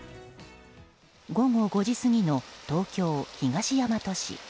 午後５時過ぎの東京・東大和市。